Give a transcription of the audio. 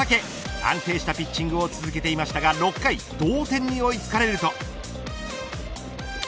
安定したピッチングを続けていましたが６回同点に追いつかれると。